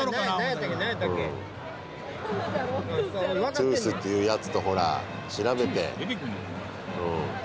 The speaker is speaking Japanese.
トゥースってやつとほら調べて。